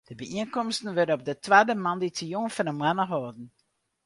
De byienkomsten wurde op de twadde moandeitejûn fan de moanne holden.